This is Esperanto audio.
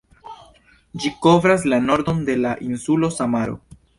Ĝi kovras la nordon de la insulo Samaro.